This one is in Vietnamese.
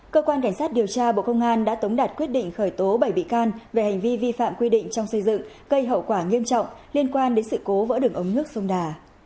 cơ quan cảnh sát điều tra bộ công an đã tống đạt quyết định khởi tố bảy bị can về hành vi vi phạm quy định trong xây dựng gây hậu quả nghiêm trọng liên quan đến sự cố vỡ đường ống nước sông đà